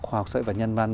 học sợi và nhân văn